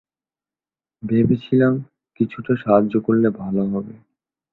ভেবেছিলাম কিছুটা সাহায্য করলে ভালো হবে।